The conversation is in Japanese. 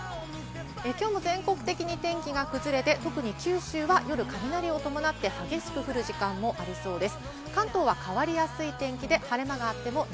今日も全国的に天気が崩れて、特に九州は夜、雨、雷を伴って激しく降る時間があります。